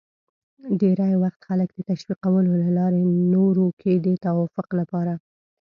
ډېری وخت خلک د تشویقولو له لارې نورو کې د توافق لپاره